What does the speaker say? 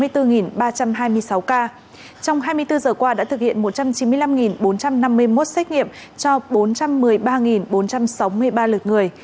trong hai mươi bốn giờ qua đã thực hiện một trăm chín mươi năm bốn trăm năm mươi một xét nghiệm cho bốn trăm một mươi ba bốn trăm sáu mươi ba lượt người